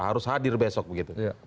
harus hadir besok begitu